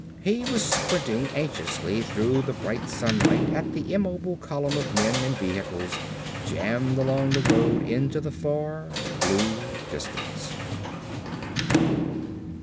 He was squinting anxiously through the bright sunlight at the immobile column of men and vehicles jammed along the road into the far, blue distance.